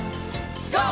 ＧＯ！